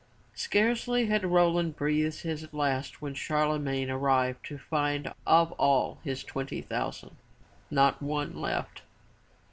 Scarcely had Roland breathed his last when Charlemagne arrived to find of all his twenty thousand not one left.